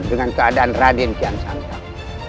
dengan keadaan raden kian sangka